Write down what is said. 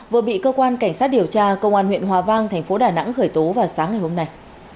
vừa bị cơ quan cảnh sát điều tra công an huyện hòa vang thành phố đà nẵng khởi tố vào sáng ngày hôm nay